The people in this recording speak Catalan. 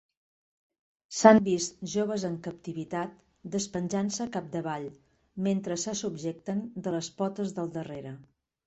S'han vist joves en captivitat despenjant-se capdavall, mentre se subjecten de les potes del darrere.